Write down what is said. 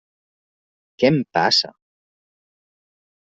Què em passa?